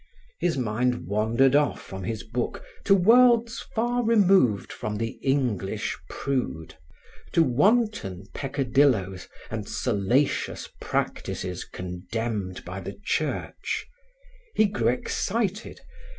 His mind wandered off from his book to worlds far removed from the English prude: to wanton peccadilloes and salacious practices condemned by the Church. He grew excited.